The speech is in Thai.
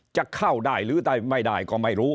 จะเข้าได้หรือได้ไม่ได้ก็ไม่รู้